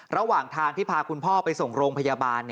ระหว่างทางที่พาคุณพ่อไปส่งโรงพยาบาล